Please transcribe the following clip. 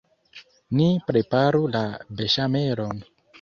Ni preparu la beŝamelon.